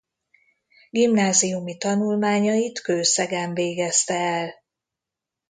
Gimnáziumi tanulmányait Kőszegen végezte el.